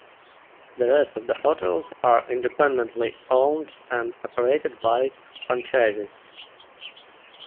The rest of the hotels are independently owned and operated by franchisees.